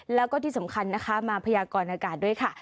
แล้วก็ที่สำคัญนะคะมาพยากรอากาศด้วยค่ะ